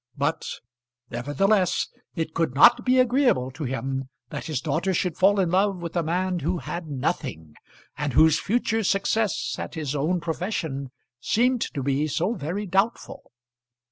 But nevertheless it could not be agreeable to him that his daughter should fall in love with a man who had nothing, and whose future success at his own profession seemed to be so very doubtful.